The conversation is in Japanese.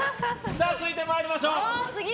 続いて参りましょう。